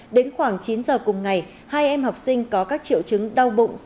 đến khoảng chín giờ cùng ngày hai em học sinh có các triệu chứng đau bụng